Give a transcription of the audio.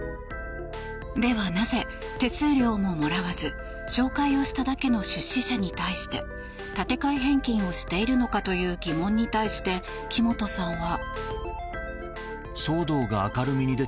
では、なぜ手数料ももらわず紹介をしただけの出資者に対して立て替え返金をしているのかという疑問に対して木本さんは。